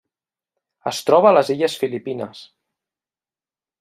Es troba a les illes Filipines: